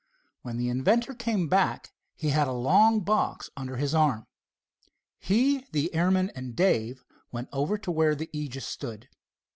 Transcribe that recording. When the inventor came back he had a long box under his arm. He, the airman and Dave went over to where the Aegis stood.